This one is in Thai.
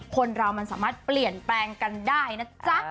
คนเรามันสามารถเปลี่ยนแปลงกันได้นะจ๊ะ